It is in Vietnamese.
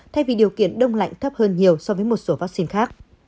thay vì điều kiện đông lạnh thấp hơn nhiều so với một số vaccine khác